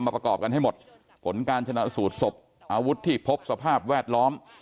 ผลการชนะสูดศพอาวุธที่พบสภาพแวดล้อม